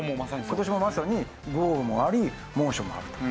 今年もまさに豪雨もあり猛暑もあると。